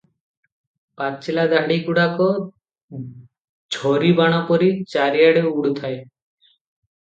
ପାଚିଲା ଦାଢ଼ି ଗୁଡାକ ଝରିବାଣପରି ଚାରିଆଡ଼େ ଉଡୁଥାଏ ।